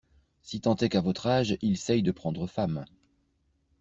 Si tant est qu'à votre âge il seye de prendre femme.